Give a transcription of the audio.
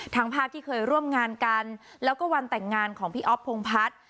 ภาพที่เคยร่วมงานกันแล้วก็วันแต่งงานของพี่อ๊อฟพงพัฒน์